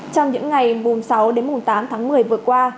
trong những ngày sáu tám tháng một mươi vừa qua